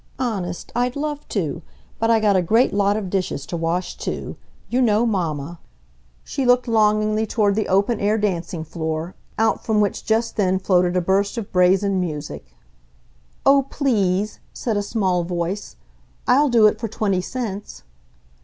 "Honest, I'd love to! But I got a great lot of dishes to wash, too! You know Momma!" She looked longingly toward the open air dancing floor, out from which just then floated a burst of brazen music. "Oh, PLEASE!" said a small voice. "I'll do it for twenty cents."